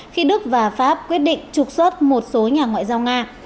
khi đức và pháp quyết định trục xuất một số nhà ngoại giao nga